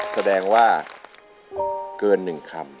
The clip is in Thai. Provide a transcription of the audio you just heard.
แสดงว่าเกิน๑คำ